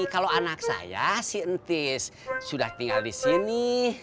kalau anak saya si entis sudah tinggal di sini